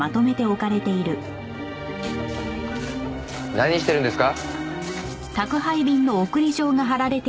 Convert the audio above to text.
何してるんですか？